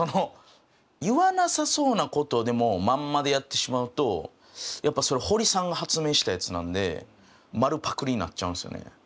言わなさそうなことでもまんまでやってしまうとやっぱそれホリさんが発明したやつなんで丸パクリになっちゃうんですよね。